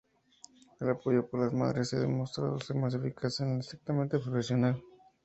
El apoyo por otras madres ha demostrado ser más eficaz que el estrictamente profesional.